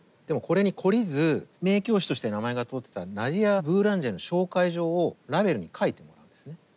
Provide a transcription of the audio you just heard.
でもこれに懲りず名教師として名前が通ってたナディア・ブーランジェの紹介状をラヴェルに書いてもらうんですね。